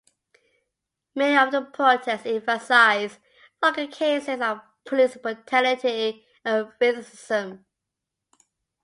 Many of the protests emphasize local cases of police brutality and racism.